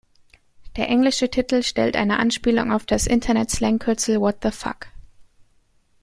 Der englische Titel stellt eine Anspielung auf das Internet-Slang-Kürzel What The Fuck?